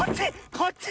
こっちね！